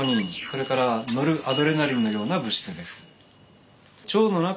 それからノルアドレナリンのような物質です。